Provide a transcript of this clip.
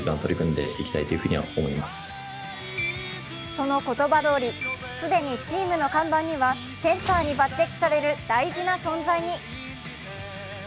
その言葉どおり、既にチームの看板にはセンターに抜てきされる大事な存在に。